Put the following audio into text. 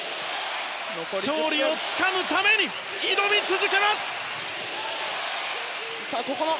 勝利をつかむために挑み続けます！